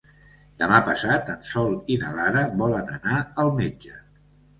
Demà passat en Sol i na Lara volen anar al metge.